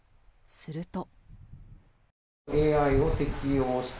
すると。